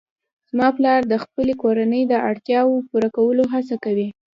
زما پلار د خپلې کورنۍ د اړتیاوو پوره کولو هڅه کوي